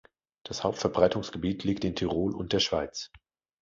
Das Hauptverbreitungsgebiet liegt in Tirol und der Schweiz.